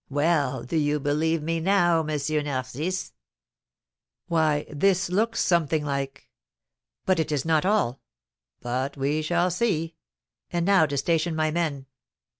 Well, do you believe me now, M. Narcisse?" "Why, this looks something like; but it is not all. But we shall see. And now to station my men."